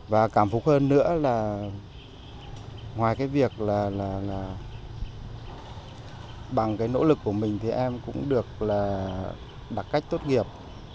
và cảm phục hơn nữa là ngoài cái việc là bằng cái nỗ lực của mình thì em cũng được là đặt cách tốt nghiệp